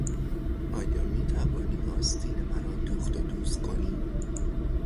آیا میتوانی آستین مرا دوخت و دوز کنی؟